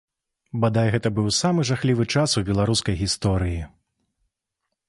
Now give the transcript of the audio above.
Бадай, гэта быў самы жахлівы час у беларускай гісторыі.